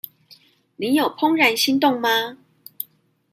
你有怦然心動嗎？